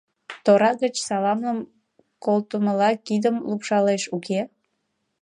Тора гыч саламым колтымыла кидым лупшалеш, уке?..